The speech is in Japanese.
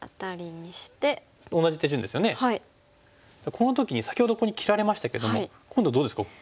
この時に先ほどここに切られましたけども今度どうですかここ。